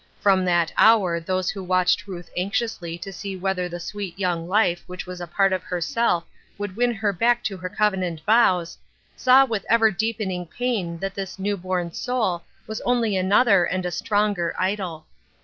From that hour those who watched Ruth anxiously to see whether the sweet young life which was a part of herself would win her back to her covenant vows, saw with ever deepening pain that this new born soul was only another and a stronger idol.